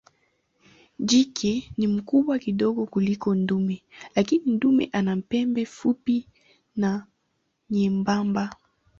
Jike ni mkubwa kidogo kuliko dume lakini dume ana pembe fupi na nyembamba.